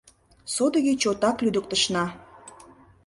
— Содыки чотак лӱдыктышна...